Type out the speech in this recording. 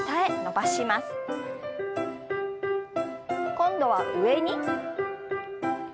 今度は上に。